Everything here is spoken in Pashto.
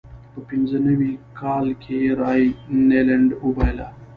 په پینځه نوي کال کې یې راینلنډ وبایله.